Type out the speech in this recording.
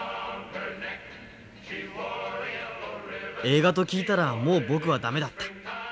映画と聞いたらもう僕はダメだった。